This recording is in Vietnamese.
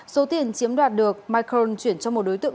số tiền chiếm đoạt được micharon chuyển cho một đối tượng